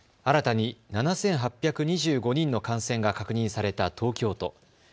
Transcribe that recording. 新たに７８２５人の感染が確認された東京都。